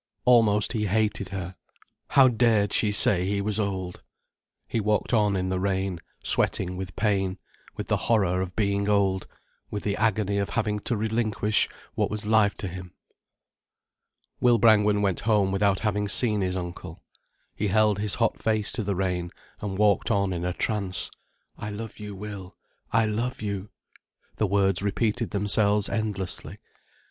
Almost he hated her. How dared she say he was old. He walked on in the rain, sweating with pain, with the horror of being old, with the agony of having to relinquish what was life to him. Will Brangwen went home without having seen his uncle. He held his hot face to the rain, and walked on in a trance. "I love you, Will, I love you." The words repeated themselves endlessly.